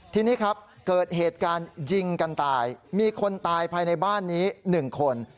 ทีนี้ครับเกิดเหตุการณ์ยิงกันตายมีคนตายภายในบ้านนี้๑คน